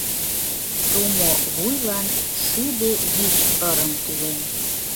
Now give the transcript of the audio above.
Тумо вуйлан шӱдӧвичырым тӱлен.